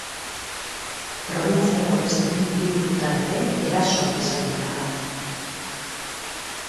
Probintziako beste bi hiriburutan ere erasoak izan dira gaur.